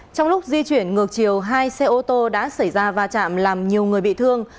trong lúc di chuyển ngược chiều hai xe ô tô đã xảy ra va chạm làm nhiều người bị thương